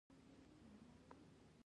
نو دوی نه پوهیږي چې نارینه به وي که ښځه.